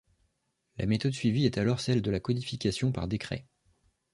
La méthode suivie est alors celle de la codification par décret.